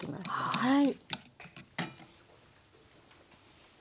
はい。